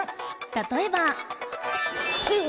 例えば